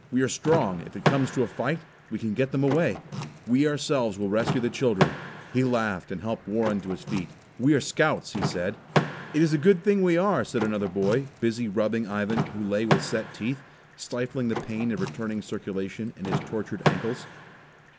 We are strong, if it comes to a fight; we can still get them away. We ourselves will rescue the children." He laughed and helped Warren to his feet. "We are Scouts," he said. "It is a good thing we are," said another boy, busy rubbing Ivan who lay with set teeth, stifling the pain of returning circulation in his tortured ankles.